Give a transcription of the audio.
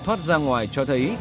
thoát ra ngoài cho thấy